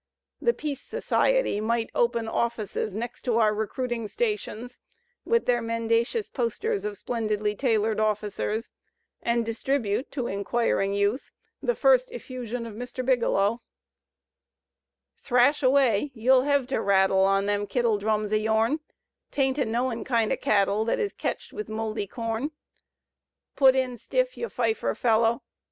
The Peace Society might open offices next to our recruiting stations (with their mendacious posters of splendidly tailored officers)! and distribute to inquiring youth the first effusion of Mr. Biglow: Thrash away, you'll hev to rattle On them kittle drums o' youm, — 'Taint a knowin' kind o' cattle Thet is ketched with mouldy com; Digitized by Google 198 THE SPIRIT OP AMERICAN LITERATURE Put in stiff, you fifer feller.